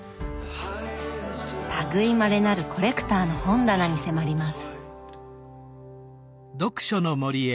類いまれなるコレクターの本棚に迫ります！